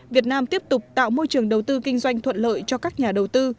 việt nam tiếp tục tạo môi trường đầu tư kinh doanh thuận lợi cho các nhà đầu tư